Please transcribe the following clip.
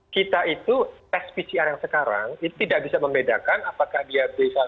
kita itu tes pcr yang sekarang itu tidak bisa membedakan apakah dia b satu ratus tujuh belas atau b yang lain misalnya